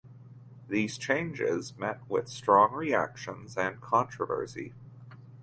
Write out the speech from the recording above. These changes met with strong reactions and controversy.